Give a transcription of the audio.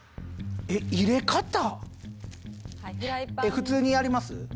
普通にやります？